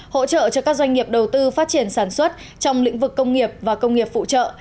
hỗ trợ cho các doanh nghiệp đầu tư phát triển sản xuất trong lĩnh vực công nghiệp và công nghiệp phụ trợ